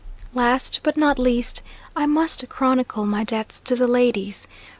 Last, but not least, I must chronicle my debts to the ladies.